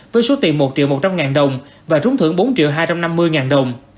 với số tiền một triệu một trăm linh ngàn đồng và trúng thưởng bốn triệu hai trăm năm mươi ngàn đồng